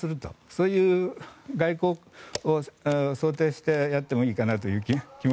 そういう外交を想定してやってもいいかなという気も。